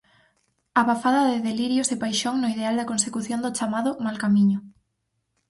Abafada de delirios e paixón no ideal da consecución do chamado "mal camiño".